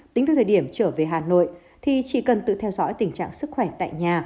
tính từ thời điểm trở về hà nội thì chỉ cần tự theo dõi tình trạng sức khỏe tại nhà